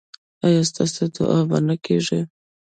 ایا ستاسو دعا به نه کیږي؟